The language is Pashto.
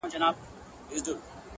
o درته به وايي ستا د ښاريې سندري ـ